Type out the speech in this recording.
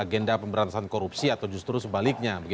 agenda pemberantasan korupsi atau justru sebaliknya